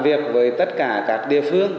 việc với tất cả các địa phương